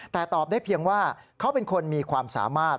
แต่ตอบได้เพียงว่าเขาเป็นคนมีความสามารถ